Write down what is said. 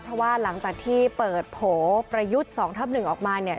เพราะว่าหลังจากที่เปิดโผล่ประยุทธ์๒ทับ๑ออกมาเนี่ย